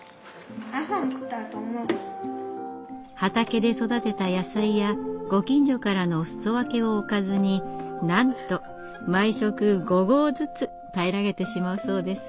畑で育てた野菜やご近所からのお裾分けをおかずになんと毎食５合ずつ平らげてしまうそうです。